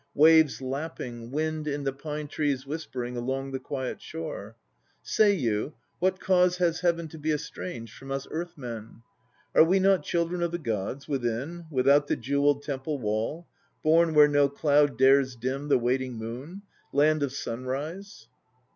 Waves lapping, wind in the pine trees whispering Along the quiet shore. Say you, what cause Has Heaven to be estranged From us Earth men; are we not children of the Gods, Within, without the jewelled temple wall, 2 Born where no cloud dares dim the waiting moon, Land of Sunrise?"